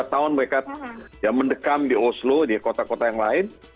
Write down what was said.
dua puluh tahun mereka mendekam di oslo di kota kota yang lain